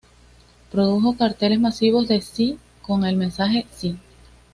Produjo carteles masivos de "Sí" con el mensaje "¡Sí!